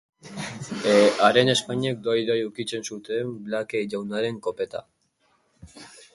Haren ezpainek doi-doi ukitzen zuten Blake jaunaren kopeta.